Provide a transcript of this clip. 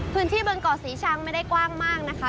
พื้นที่บนเกาะศรีชังไม่ได้กว้างมากนะคะ